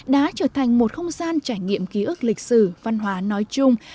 đã trở thành một không gian trải nghiệm ký ức lịch sử văn hóa nói chung